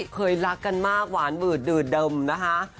เคยรักกันมากหวานบืดดืดเดิมนะคะ